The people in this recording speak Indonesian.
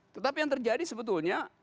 tetapi yang terjadi sebetulnya